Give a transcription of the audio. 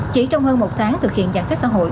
chỉ trong hơn một tháng thực hiện giải phép xã hội